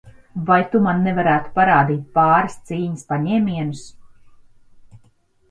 Vai tu man nevarētu parādīt pāris cīņas paņēmienus?